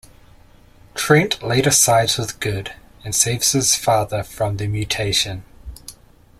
Trent later sides with good and saves his father from the mutation.